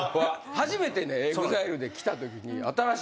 初めてＥＸＩＬＥで来たときに。